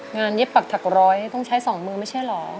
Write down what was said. เย็บปักถักร้อยต้องใช้๒มือไม่ใช่เหรอ